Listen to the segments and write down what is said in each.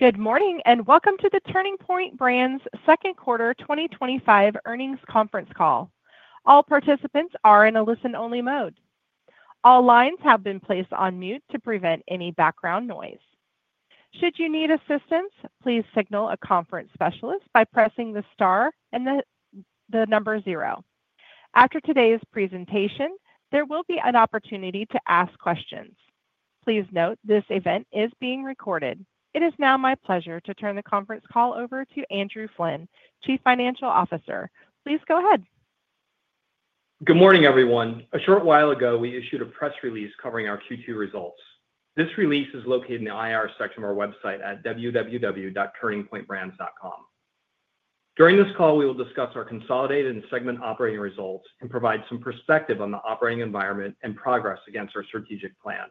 Good morning and welcome to the Turning Point Brands' Second Quarter 2025 Earnings Conference Call. All participants are in a listen-only mode. All lines have been placed on mute to prevent any background noise. Should you need assistance, please signal a conference specialist by pressing the star and the number zero. After today's presentation, there will be an opportunity to ask questions. Please note this event is being recorded. It is now my pleasure to turn the conference call over to Andrew Flynn, Chief Financial Officer. Please go ahead. Good morning, everyone. A short while ago, we issued a press release covering our Q2 results. This release is located in the IR section of our website at www.turningpointbrands.com. During this call, we will discuss our consolidated and segment operating results and provide some perspective on the operating environment and progress against our strategic plan.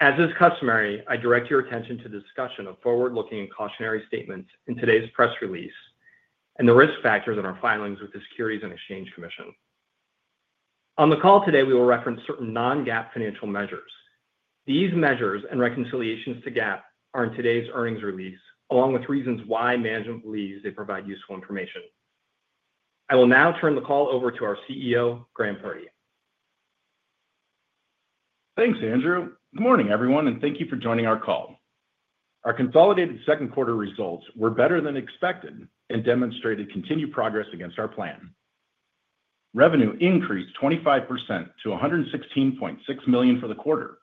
As is customary, I direct your attention to the discussion of forward-looking and cautionary statements in today's press release and the risk factors in our filings with the Securities and Exchange Commission. On the call today, we will reference certain non-GAAP financial measures. These measures and reconciliations to GAAP are in today's earnings release, along with reasons why management believes they provide useful information. I will now turn the call over to our CEO, Graham Purdy. Thanks, Andrew. Good morning, everyone, and thank you for joining our call. Our consolidated second quarter results were better than expected and demonstrated continued progress against our plan. Revenue increased 25% to $116.6 million for the quarter,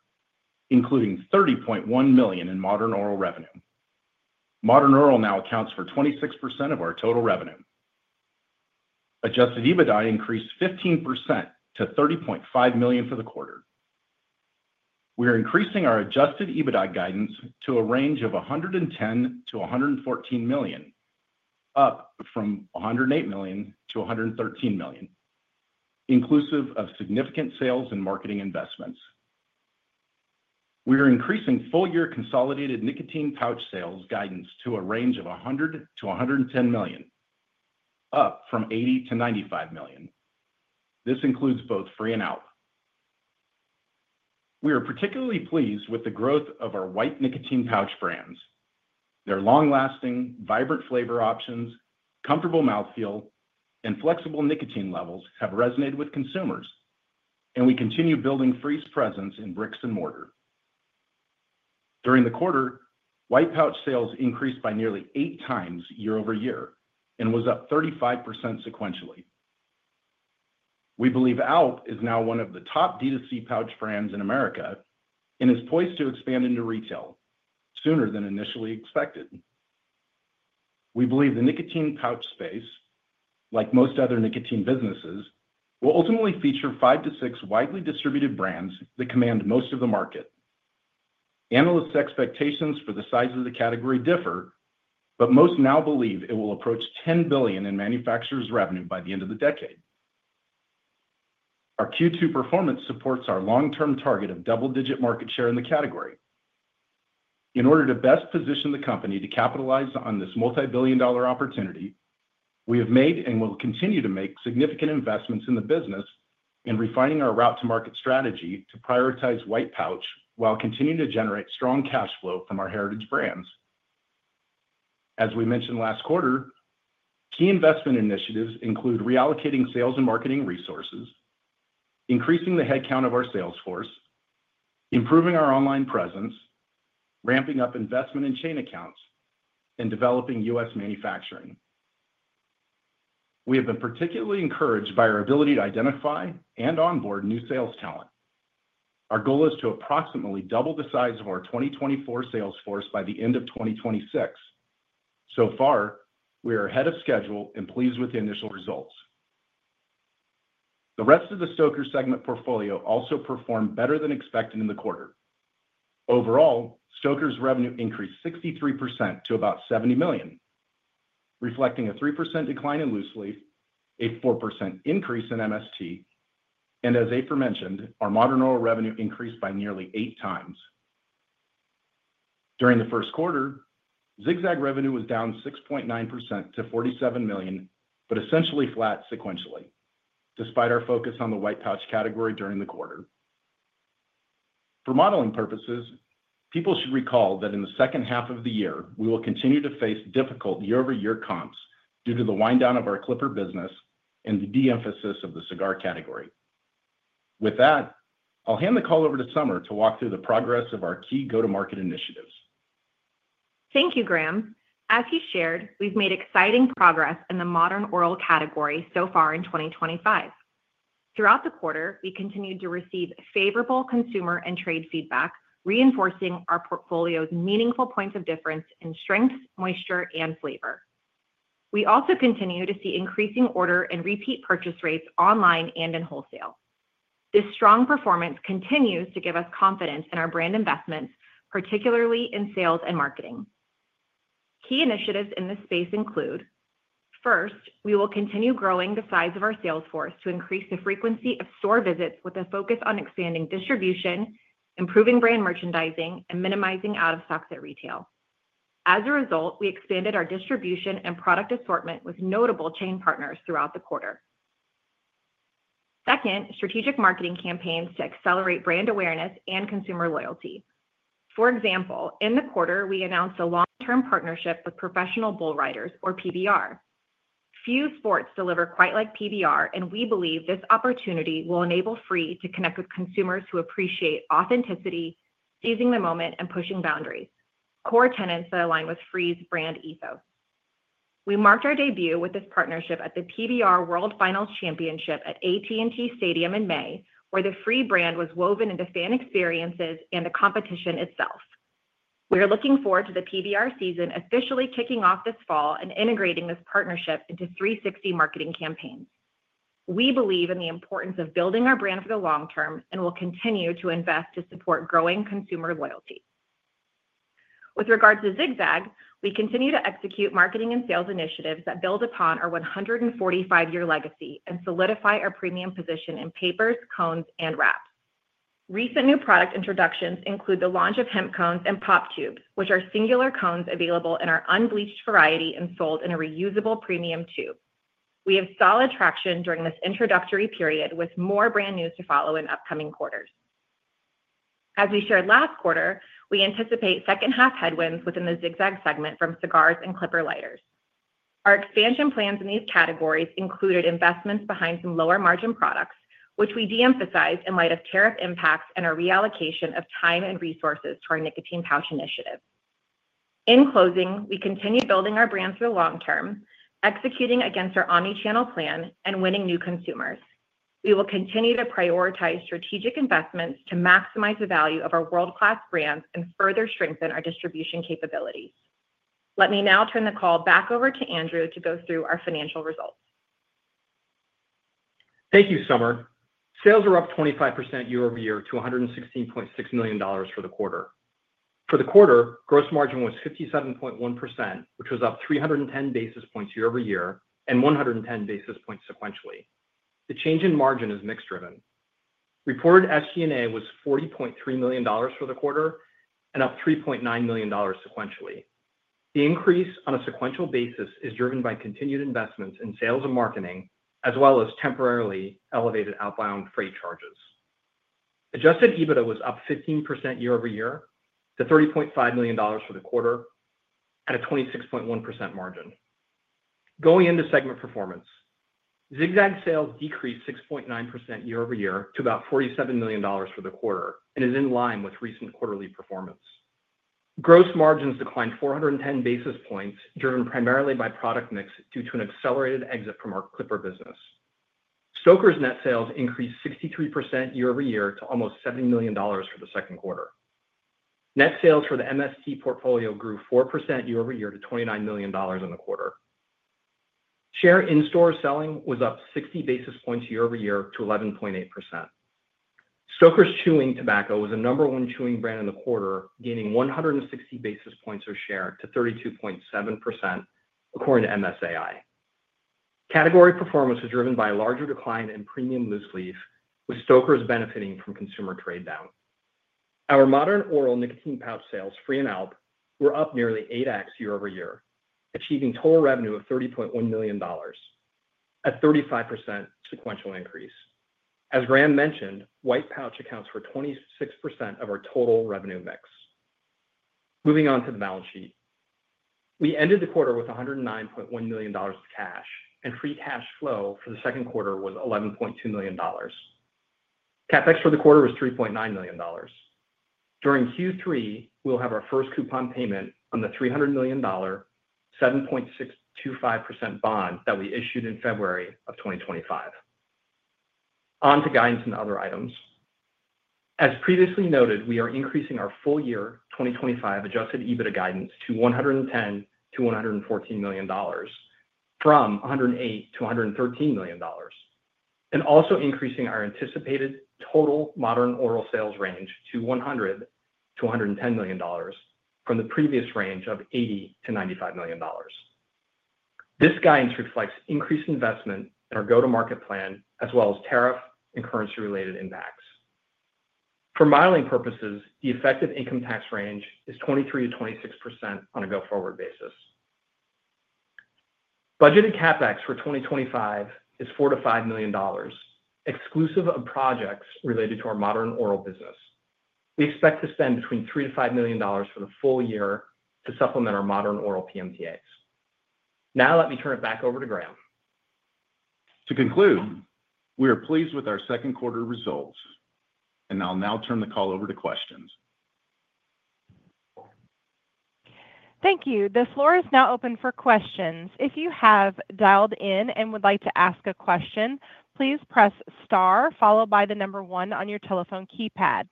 including $30.1 million in Modern Oral revenue. Modern Oral now accounts for 26% of our total revenue. Adjusted EBITDA increased 15% to $30.5 million for the quarter. We are increasing our adjusted EBITDA guidance to a range of $110 million-$114 million, up from $108 million-$113 million, inclusive of significant sales and marketing investments. We are increasing full-year consolidated nicotine pouch sales guidance to a range of $100 million-$110 million, up from $80 million-$95 million. This includes both FRE and ALP. We are particularly pleased with the growth of our white nicotine pouch brands. Their long-lasting, vibrant flavor options, comfortable mouthfeel, and flexible nicotine levels have resonated with consumers, and we continue building FRE's presence in bricks and mortar. During the quarter, white pouch sales increased by nearly 8x year-over-year and was up 35% sequentially. We believe ALP is now one of the top D2C pouch brands in America and is poised to expand into retail sooner than initially expected. We believe the nicotine pouch space, like most other nicotine businesses, will ultimately feature five to six widely distributed brands that command most of the market. Analysts' expectations for the size of the category differ, but most now believe it will approach $10 billion in manufacturers' revenue by the end of the decade. Our Q2 performance supports our long-term target of double-digit market share in the category. In order to best position the company to capitalize on this multi-billion dollar opportunity, we have made and will continue to make significant investments in the business and refine our route-to-market strategy to prioritize white pouch while continuing to generate strong cash flow from our heritage brands. As we mentioned last quarter, key investment initiatives include reallocating sales and marketing resources, increasing the headcount of our sales force, improving our online presence, ramping up investment in chain accounts, and developing U.S. manufacturing. We have been particularly encouraged by our ability to identify and onboard new sales talent. Our goal is to approximately double the size of our 2024 sales force by the end of 2026. So far, we are ahead of schedule and pleased with the initial results. The rest of the Stoker's segment portfolio also performed better than expected in the quarter. Overall, Stoker's revenue increased 63% to about $70 million, reflecting a 3% decline in loose leaf, a 4% increase in MST, and as aforementioned, our Modern Oral revenue increased by nearly 8x. During the first quarter, Zig-Zag revenue was down 6.9% to $47 million, but essentially flat sequentially, despite our focus on the white pouch category during the quarter. For modeling purposes, people should recall that in the second half of the year, we will continue to face difficult year-over-year comps due to the wind-down of our CLIPPER business and the de-emphasis of the cigar category. With that, I'll hand the call over to Summer to walk through the progress of our key go-to-market initiatives. Thank you, Graham. As he shared, we've made exciting progress in the Modern Oral category so far in 2025. Throughout the quarter, we continued to receive favorable consumer and trade feedback, reinforcing our portfolio's meaningful points of difference in strengths, moisture, and flavor. We also continue to see increasing order and repeat purchase rates online and in wholesale. This strong performance continues to give us confidence in our brand investments, particularly in sales and marketing. Key initiatives in this space include: first, we will continue growing the size of our sales force to increase the frequency of store visits with a focus on expanding distribution, improving brand merchandising, and minimizing out-of-stock at retail. As a result, we expanded our distribution and product assortment with notable chain partners throughout the quarter. Second, strategic marketing campaigns to accelerate brand awareness and consumer loyalty. For example, in the quarter, we announced a long-term partnership with Professional Bull Riders, or PBR. Few sports deliver quite like PBR, and we believe this opportunity will enable FRE to connect with consumers who appreciate authenticity, seizing the moment, and pushing boundaries, core tenets that align with FRE's brand ethos. We marked our debut with this partnership at the PBR World Finals Championship at AT&T Stadium in May, where the FRE brand was woven into fan experiences and the competition itself. We are looking forward to the PBR season officially kicking off this fall and integrating this partnership into 360 marketing campaigns. We believe in the importance of building our brand for the long term and will continue to invest to support growing consumer loyalty. With regards to Zig-Zag, we continue to execute marketing and sales initiatives that build upon our 145-year legacy and solidify our premium position in papers, cones, and wraps. Recent new product introductions include the launch of hemp cones and pop tubes, which are singular cones available in our unbleached variety and sold in a reusable premium tube. We have solid traction during this introductory period, with more brand news to follow in upcoming quarters. As we shared last quarter, we anticipate second-half headwinds within the Zig-Zag segment from cigars and CLIPPER lighters. Our expansion plans in these categories included investments behind some lower margin products, which we de-emphasized in light of tariff impacts and our reallocation of time and resources to our nicotine pouch initiative. In closing, we continue building our brand for the long term, executing against our omnichannel plan and winning new consumers. We will continue to prioritize strategic investments to maximize the value of our world-class brands and further strengthen our distribution capabilities. Let me now turn the call back over to Andrew to go through our financial results. Thank you, Summer. Sales are up 25% year-over-year to $116.6 million for the quarter. For the quarter, gross margin was 57.1%, which was up 310 basis points year-over-year and 110 basis points sequentially. The change in margin is mix-driven. Reported SG&A was $40.3 million for the quarter and up $3.9 million sequentially. The increase on a sequential basis is driven by continued investments in sales and marketing, as well as temporarily elevated outbound freight charges. Adjusted EBITDA was up 15% year-over-year to $30.5 million for the quarter and a 26.1% margin. Going into segment performance, Zig-Zag sales decreased 6.9% year-over-year to about $47 million for the quarter and is in line with recent quarterly performance. Gross margins declined 410 basis points, driven primarily by product mix due to an accelerated exit from our CLIPPER business. Stoker's net sales increased 63% year-over-year to almost $70 million for the second quarter. Net sales for the MST portfolio grew 4% year-over-year to $29 million in the quarter. Share in-store selling was up 60 basis points year-over-year to 11.8%. Stoker's chewing tobacco was the number one chewing brand in the quarter, gaining 160 basis points of share to 32.7% according to MSAI. Category performance was driven by a larger decline in premium loose leaf, with Stoker's benefiting from consumer trade down. Our Modern Oral nicotine pouch sales, FRE and ALP, were up nearly 8x year-over-year, achieving total revenue of $30.1 million at a 35% sequential increase. As Graham mentioned, white pouch accounts for 26% of our total revenue mix. Moving on to the balance sheet, we ended the quarter with $109.1 million of cash, and free cash flow for the second quarter was $11.2 million. CapEx for the quarter was $3.9 million. During Q3, we'll have our first coupon payment on the $300 million 7.625% bond that we issued in February of 2025. On to guidance and other items. As previously noted, we are increasing our full-year 2025 adjusted EBITDA guidance to $110 million to $114 million from $108 million to $113 million, and also increasing our anticipated total Modern Oral sales range to $100 million-$110 million from the previous range of $80 million-$95 million. This guidance reflects increased investment in our go-to-market plan, as well as tariff and currency-related impacts. For modeling purposes, the effective income tax range is 23%-26% on a go-forward basis. Budgeted CapEx for 2025 is $4 million-$5 million, exclusive of projects related to our Modern Oral business. We expect to spend between $3 million-$5 million for the full year to supplement our Modern Oral PMTAs. Now let me turn it back over to Graham. To conclude, we are pleased with our second quarter results, and I'll now turn the call over to questions. Thank you. The floor is now open for questions. If you have dialed in and would like to ask a question, please press star followed by the number one on your telephone keypad.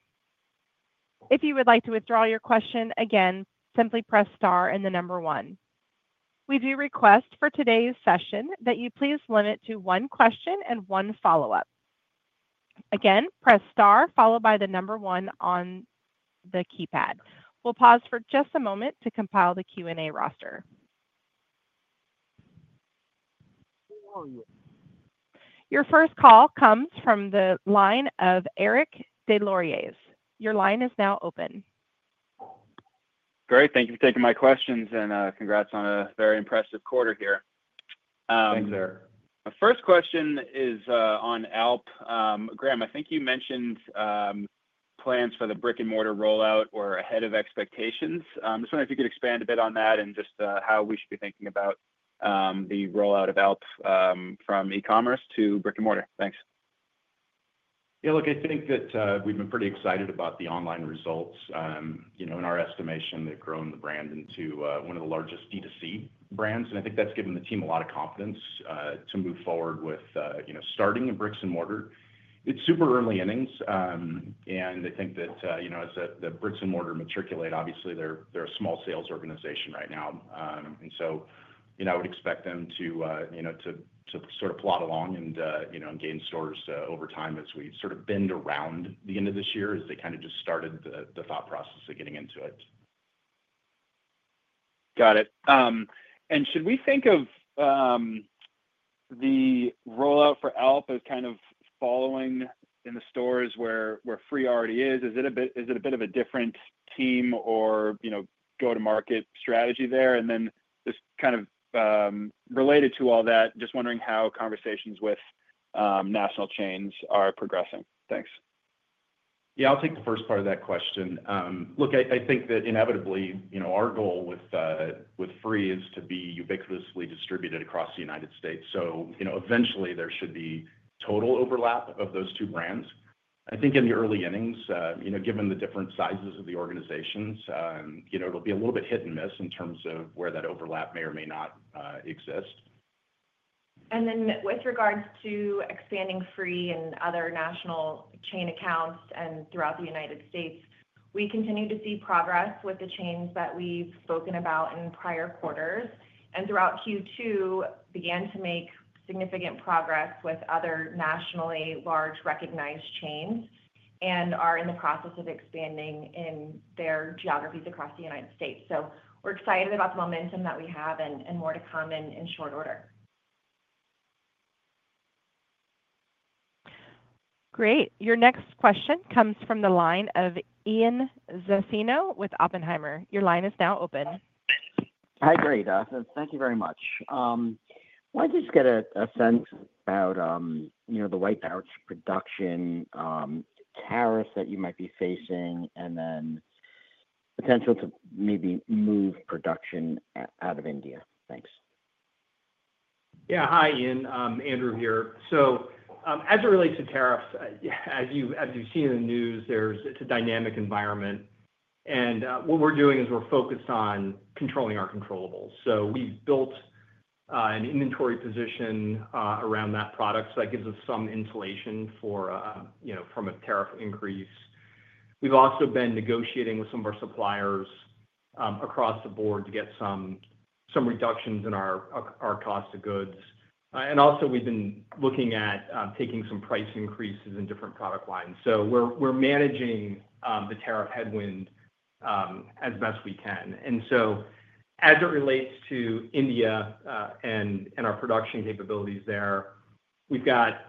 If you would like to withdraw your question, again, simply press star and the number one. We do request for today's session that you please limit to one question and one follow-up. Again, press star followed by the number one on the keypad. We'll pause for just a moment to compile the Q&A roster. Your first call comes from the line of Eric Des Lauriers. Your line is now open. Great. Thank you for taking my questions and congrats on a very impressive quarter here. Thanks, Eric. My first question is on ALP. Graham, I think you mentioned plans for the brick-and-mortar rollout were ahead of expectations. I'm just wondering if you could expand a bit on that and just how we should be thinking about the rollout of ALP from e-commerce to brick-and-mortar. Thanks. Yeah, look, I think that we've been pretty excited about the online results. In our estimation, they've grown the brand into one of the largest direct-to-consumer brands, and I think that's given the team a lot of confidence to move forward with starting in bricks and mortar. It's super early innings, and I think that as the bricks and mortar matriculate, obviously they're a small sales organization right now. I would expect them to sort of plot along and gain stores over time as we sort of bend around the end of this year as they kind of just started the thought process of getting into it. Got it. Should we think of the rollout for ALP as kind of following in the stores where FRE already is? Is it a bit of a different team or, you know, go-to-market strategy there? Just kind of related to all that, just wondering how conversations with national chains are progressing. Thanks. I'll take the first part of that question. Look, I think that inevitably, our goal with FRE is to be ubiquitously distributed across the United States. Eventually, there should be total overlap of those two brands. I think in the early innings, given the different sizes of the organizations, it'll be a little bit hit and miss in terms of where that overlap may or may not exist. With regards to expanding FRE and other national chain accounts throughout the United States, we continue to see progress with the chains that we've spoken about in prior quarters and throughout Q2 began to make significant progress with other nationally large recognized chains and are in the process of expanding in their geographies across the United States. We are excited about the momentum that we have and more to come in short order. Great. Your next question comes from the line of Ian Zaffino with Oppenheimer. Your line is now open. Hi, great. Thank you very much. I just get a sense about, you know, the white pouch production, tariffs that you might be facing, and then potential to maybe move production out of India. Thanks. Yeah, hi, Ian. Andrew here. As it relates to tariffs, as you've seen in the news, it's a dynamic environment. We're focused on controlling our controllables. We've built an inventory position around that product, which gives us some insulation from a tariff increase. We've also been negotiating with some of our suppliers across the board to get some reductions in our cost of goods. We've been looking at taking some price increases in different product lines. We're managing the tariff headwind as best we can. As it relates to India and our production capabilities there, we've got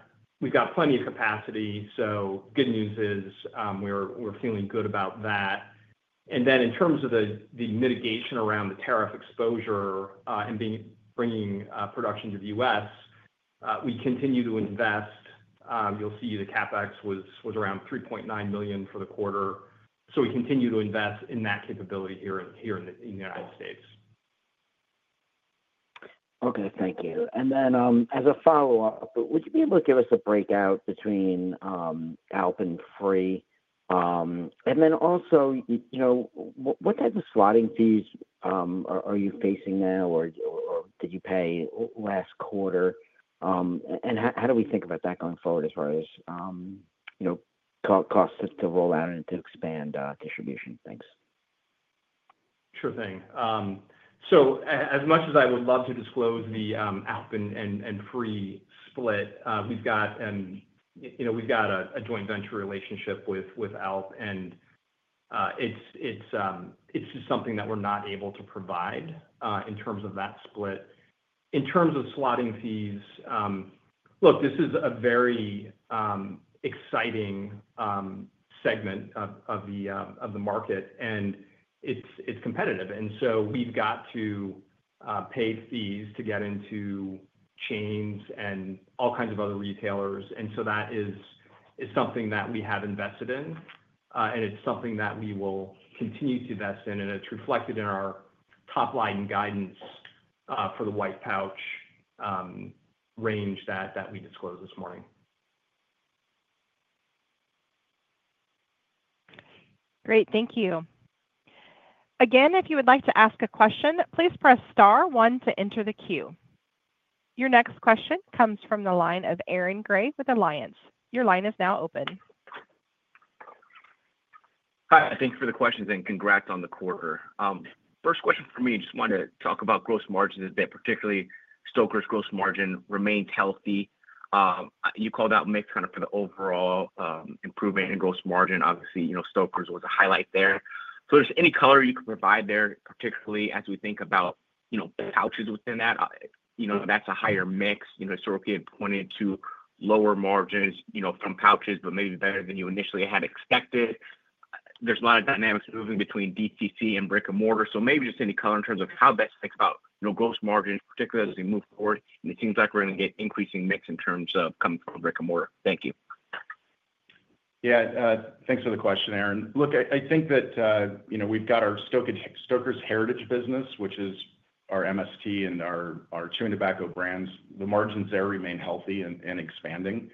plenty of capacity. The good news is we're feeling good about that. In terms of the mitigation around the tariff exposure and bringing production to the U.S., we continue to invest. You'll see the CapEx was around $3.9 million for the quarter. We continue to invest in that capability here in the United States. Okay, thank you. As a follow-up, would you be able to give us a breakout between ALP and FRE? Also, what type of slotting fees are you facing now or did you pay last quarter? How do we think about that going forward as far as costs to roll out and to expand distribution? Thanks. Sure thing. As much as I would love to disclose the ALP and FRE split, we've got a joint venture relationship with ALP, and it's just something that we're not able to provide in terms of that split. In terms of slotting fees, look, this is a very exciting segment of the market, and it's competitive. We've got to pay fees to get into chains and all kinds of other retailers. That is something that we have invested in, and it's something that we will continue to invest in, and it's reflected in our top line guidance for the white pouch range that we disclosed this morning. Great, thank you. Again, if you would like to ask a question, please press star one to enter the queue. Your next question comes from the line of Aaron Grey with Alliance. Your line is now open. Hi, thanks for the questions, and congrats on the quarter. First question for me, I just wanted to talk about gross margins a bit, particularly Stoker's gross margin remains healthy. You called out mix kind of for the overall improvement in gross margin. Obviously, you know, Stoker's was a highlight there. Is there any color you could provide there, particularly as we think about, you know, pouches within that? You know, that's a higher mix. You know, historically, it pointed to lower margins, you know, from pouches, but maybe better than you initially had expected. There's a lot of dynamics moving between D2C and brick-and-mortar. Maybe just any color in terms of how best to think about, you know, gross margins, particularly as we move forward. It seems like we're going to get increasing mix in terms of coming from brick-and-mortar. Thank you. Yeah, thanks for the question, Aaron. Look, I think that, you know, we've got our Stoker's heritage business, which is our MST and our chewing tobacco brands. The margins there remain healthy and expanding.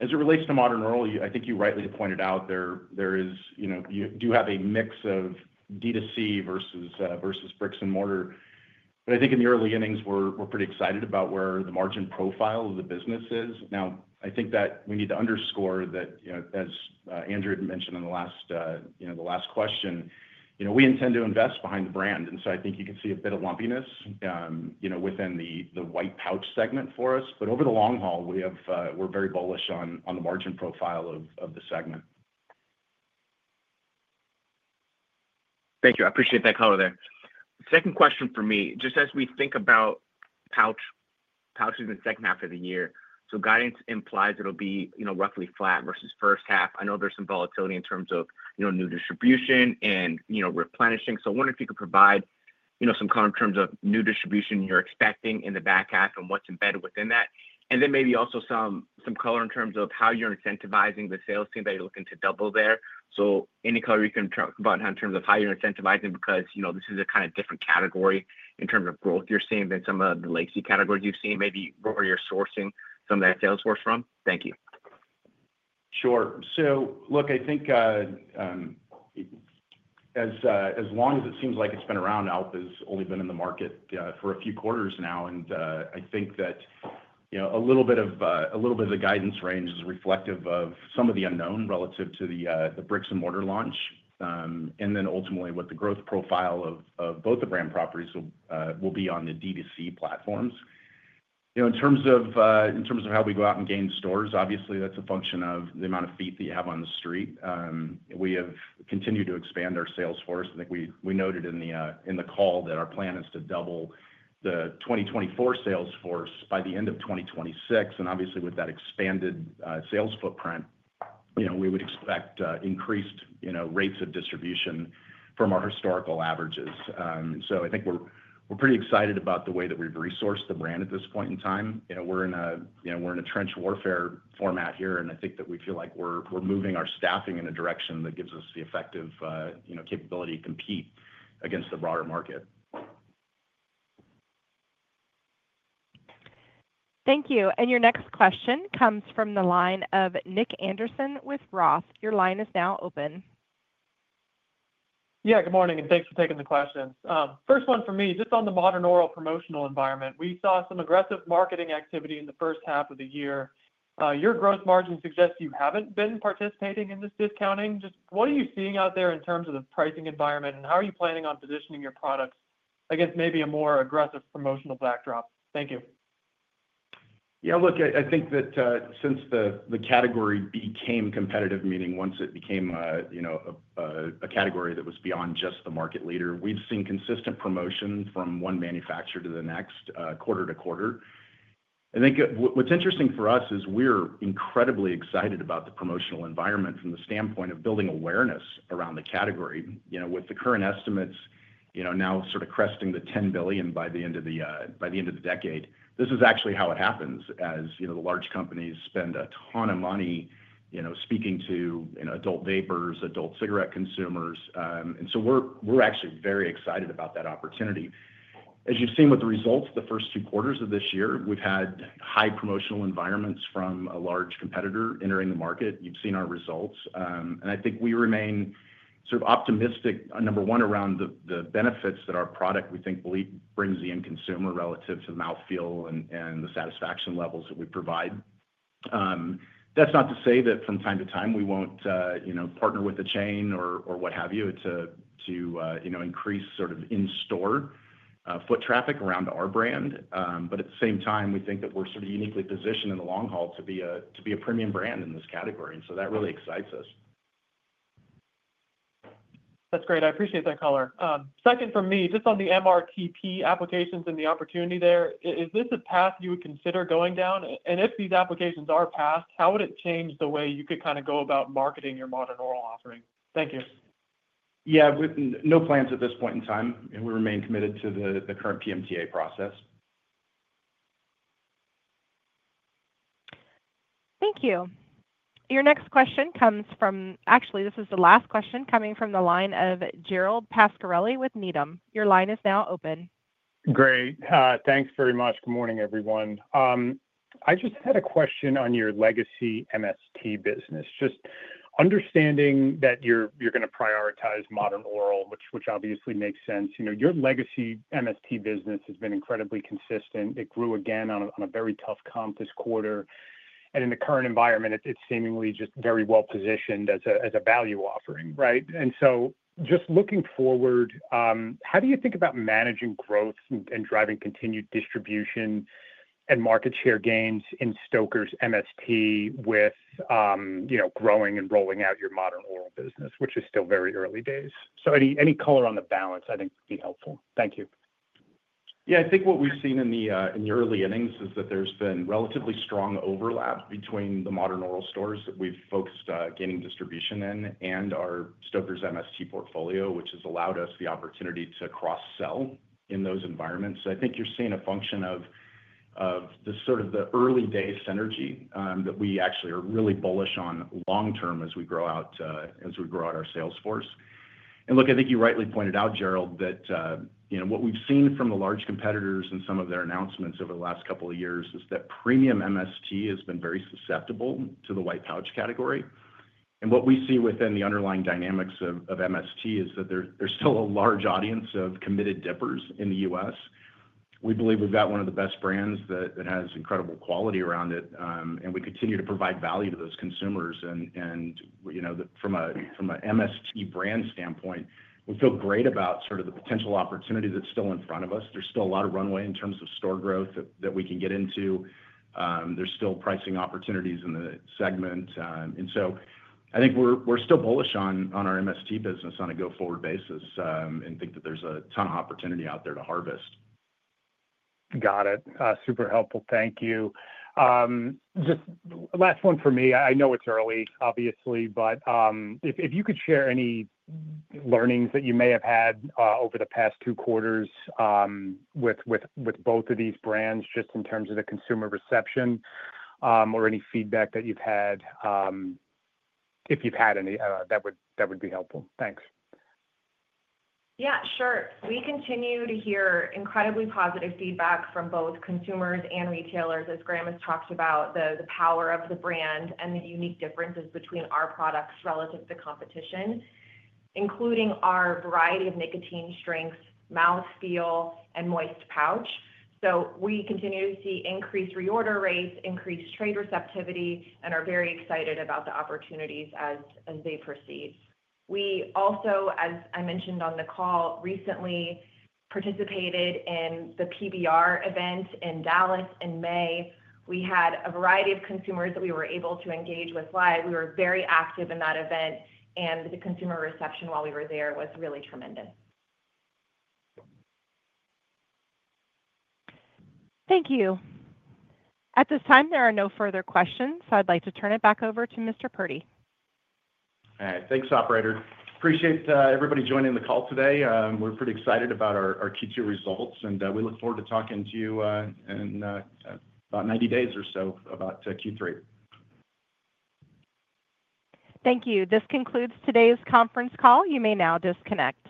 As it relates to Modern Oral, I think you rightly pointed out there is, you know, you do have a mix of D2C versus bricks and mortar. I think in the early innings, we're pretty excited about where the margin profile of the business is. I think that we need to underscore that, you know, as Andrew had mentioned in the last question, we intend to invest behind the brand. I think you could see a bit of lumpiness within the white pouch segment for us. Over the long haul, we have, we're very bullish on the margin profile of the segment. Thank you. I appreciate that color there. Second question for me, just as we think about pouches in the second half of the year, guidance implies it'll be roughly flat versus first half. I know there's some volatility in terms of new distribution and replenishing. I wonder if you could provide some color in terms of new distribution you're expecting in the back half and what's embedded within that. Maybe also some color in terms of how you're incentivizing the sales team that you're looking to double there. Any color you can bottom out in terms of how you're incentivizing, because this is a kind of different category in terms of growth you're seeing than some of the legacy categories you've seen, maybe where you're sourcing some of that sales force from. Thank you. Sure. I think as long as it seems like it's been around, ALP has only been in the market for a few quarters now. I think that a little bit of the guidance range is reflective of some of the unknown relative to the bricks and mortar launch. Ultimately, what the growth profile of both the brand properties will be on the D2C platforms. In terms of how we go out and gain stores, obviously that's a function of the amount of feet that you have on the street. We have continued to expand our sales force. I think we noted in the call that our plan is to double the 2024 sales force by the end of 2026. Obviously, with that expanded sales footprint, we would expect increased rates of distribution from our historical averages. I think we're pretty excited about the way that we've resourced the brand at this point in time. We're in a trench warfare format here, and I think that we feel like we're moving our staffing in a direction that gives us the effective capability to compete against the broader market. Thank you. Your next question comes from the line of Nick Anderson with Roth. Your line is now open. Good morning, and thanks for taking the question. First one for me, just on the Modern Oral promotional environment. We saw some aggressive marketing activity in the first half of the year. Your gross margin suggests you haven't been participating in this discounting. What are you seeing out there in terms of the pricing environment, and how are you planning on positioning your products against maybe a more aggressive promotional backdrop? Thank you. Yeah, look, I think that since the category became competitive, meaning once it became a category that was beyond just the market leader, we've seen consistent promotion from one manufacturer to the next, quarter to quarter. I think what's interesting for us is we're incredibly excited about the promotional environment from the standpoint of building awareness around the category. With the current estimates now sort of cresting the $10 billion by the end of the decade, this is actually how it happens as the large companies spend a ton of money speaking to adult vapers, adult cigarette consumers. We are actually very excited about that opportunity. As you've seen with the results of the first two quarters of this year, we've had high promotional environments from a large competitor entering the market. You've seen our results. I think we remain sort of optimistic, number one, around the benefits that our product, we think, brings the end consumer relative to the mouthfeel and the satisfaction levels that we provide. That's not to say that from time to time we won't partner with the chain or what have you to increase sort of in-store foot traffic around our brand. At the same time, we think that we're sort of uniquely positioned in the long haul to be a premium brand in this category. That really excites us. That's great. I appreciate that color. Second from me, just on the MRTP applications and the opportunity there, is this a path you would consider going down? If these applications are passed, how would it change the way you could kind of go about marketing your Modern Oral offering? Thank you. No plans at this point in time. We remain committed to the current PMTA process. Thank you. Your next question comes from, actually, this is the last question coming from the line of Gerald Pascarelli with Needham. Your line is now open. Great. Thanks very much. Good morning, everyone. I just had a question on your legacy MST business. Just understanding that you're going to prioritize Modern Oral, which obviously makes sense. Your legacy MST business has been incredibly consistent. It grew again on a very tough comp this quarter. In the current environment, it's seemingly just very well positioned as a value offering, right? Just looking forward, how do you think about managing growth and driving continued distribution and market share gains in Stoker's MST with growing and rolling out your Modern Oral business, which is still very early days? Any color on the balance, I think would be helpful. Thank you. Yeah, I think what we've seen in the early innings is that there's been relatively strong overlap between the Modern Oral stores that we've focused gaining distribution in and our Stoker's MST portfolio, which has allowed us the opportunity to cross-sell in those environments. I think you're seeing a function of the sort of the early day synergy that we actually are really bullish on long term as we grow out our sales force. I think you rightly pointed out, Gerald, that what we've seen from the large competitors and some of their announcements over the last couple of years is that premium MST has been very susceptible to the white pouch category. What we see within the underlying dynamics of MST is that there's still a large audience of committed dippers in the U.S. We believe we've got one of the best brands that has incredible quality around it. We continue to provide value to those consumers. From an MST brand standpoint, we feel great about sort of the potential opportunity that's still in front of us. There's still a lot of runway in terms of store growth that we can get into. There's still pricing opportunities in the segment. I think we're still bullish on our MST business on a go-forward basis and think that there's a ton of opportunity out there to harvest. Got it. Super helpful. Thank you. Just last one for me. I know it's early, obviously, but if you could share any learnings that you may have had over the past two quarters with both of these brands, just in terms of the consumer reception or any feedback that you've had, if you've had any, that would be helpful. Thanks. Yeah, sure. We continue to hear incredibly positive feedback from both consumers and retailers, as Graham has talked about, the power of the brand and the unique differences between our products relative to the competition, including our variety of nicotine strengths, mouthfeel, and moist pouch. We continue to see increased reorder rates, increased trade receptivity, and are very excited about the opportunities as they proceed. As I mentioned on the call recently, we participated in the PBR event in Dallas in May. We had a variety of consumers that we were able to engage with live. We were very active in that event, and the consumer reception while we were there was really tremendous. Thank you. At this time, there are no further questions. I'd like to turn it back over to Mr. Purdy. All right. Thanks, Operator. Appreciate everybody joining the call today. We're pretty excited about our Q2 results, and we look forward to talking to you in about 90 days or so about Q3. Thank you. This concludes today's conference call. You may now disconnect.